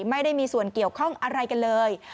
ไม่ได้มีส่วนเกี่ยวข้องอะไรกันเลย